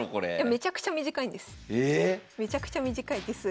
めちゃくちゃ短い手数。